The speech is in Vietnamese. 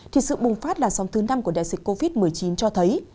thì sự bùng phát là song thứ năm của đại dịch covid một mươi chín cho thấy